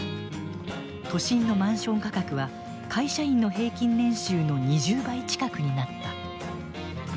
都心のマンション価格は会社員の平均年収の２０倍近くになった。